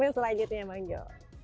menurut selanjutnya bang jho